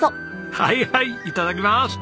はいはいいただきます！